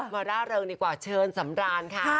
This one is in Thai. ร่าเริงดีกว่าเชิญสำรานค่ะ